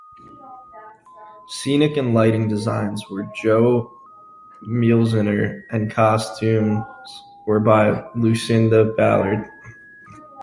Scenic and lighting designs were by Jo Mielziner and costumes were by Lucinda Ballard.